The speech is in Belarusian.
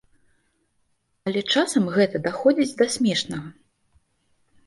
Але часам гэта даходзіць да смешнага.